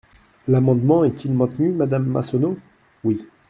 L’amendement est-il maintenu, madame Massonneau ? Oui.